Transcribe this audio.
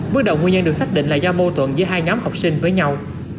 bước đầu nguyên nhân được xác định là do mô thuận giữa hai nhóm học sinh với nhau